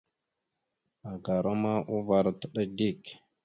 Agara ma uvar ataɗá dik.